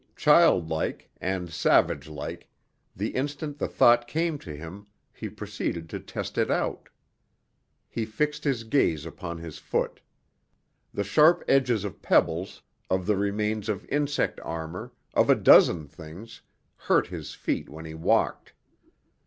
Childlike and savage like the instant the thought came to him, he proceeded to test it out. He fixed his gaze upon his foot. The sharp edges of pebbles, of the remains of insect armour, of a dozen things, hurt his feet when he walked.